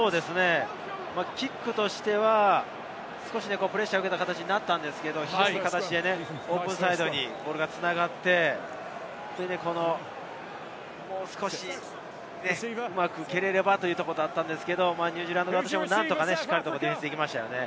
キックとしては少しプレッシャーを受けた形になったんですけれどオープンサイドにボールが繋がって、もう少しうまく蹴れればということだったのですが、ニュージーランド、しっかりディフェンスできましたね。